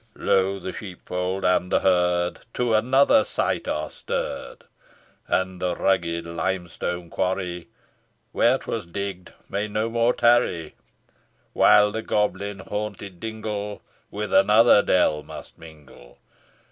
Lo! the sheepfold, and the herd, To another site are stirr'd! And the rugged limestone quarry, Where 'twas digg'd may no more tarry; While the goblin haunted dingle, With another dell must mingle.